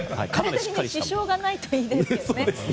体に支障がないといいですね。